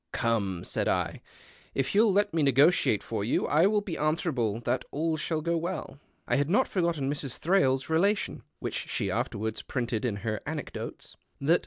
" Come," said I, " if you'll kt me negotiate for you, I will be answerable that all shall go well." I had not forgotten Mrs. Thrale's relation (which she afterwards printed in her " Anecdotes ") that 28 DR.